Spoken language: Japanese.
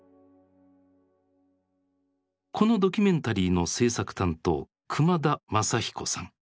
このドキュメンタリーの製作担当熊田雅彦さん。